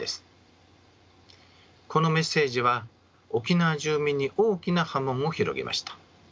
このメッセージは沖縄住民に大きな波紋を広げました。